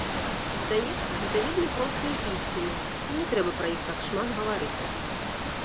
Здаецца, гэта вельмі простыя ісціны і не трэба пра іх так шмат гаварыць.